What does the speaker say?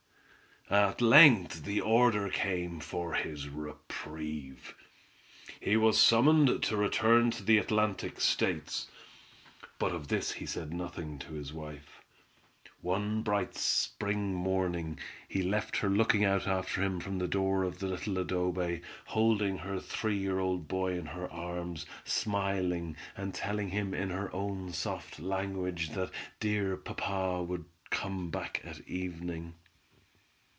At length the order came for his reprieve. He was summoned to return to the Atlantic States; but of this he said nothing to his wife. One bright spring morning he left her looking out after him from the door of the little adobe, holding her three year old boy in her arms, smiling and telling him in her own soft language that dear papa would come back at evening.